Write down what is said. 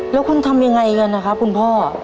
แล้วคุณทำยังไงกันนะครับคุณพ่อ